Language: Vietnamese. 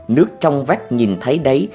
nước trong vách nhìn thấy đấy